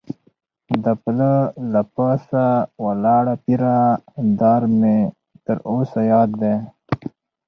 د پله له پاسه ولاړ پیره دار مې تر اوسه یاد دی.